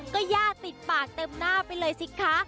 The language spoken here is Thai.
ก็ย่าติดปากเต็มหน้าไปเลยสิคะ